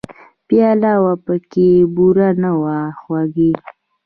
پیاله وه پکې بوره نه وه خوږې !